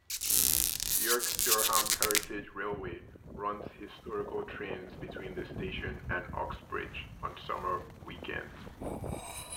York-Durham Heritage Railway runs historical trains between the station and Uxbridge on summer weekends.